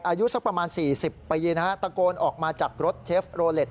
อายุสักประมาณ๔๐ปีนะฮะตะโกนออกมาจากรถเชฟโรเล็ต